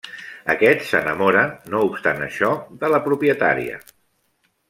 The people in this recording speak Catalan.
Aquest s'enamora, no obstant això, de la propietària.